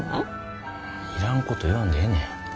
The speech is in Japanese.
いらんこと言わんでええねん。